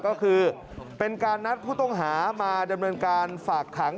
ก็คือเป็นการนัดผู้ต้องหามาดำเนินการฝากขัง